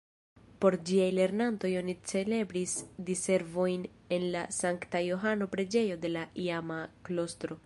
Por ĝiaj lernantoj oni celebris Diservojn en la Sankta-Johano-preĝejo de la iama klostro.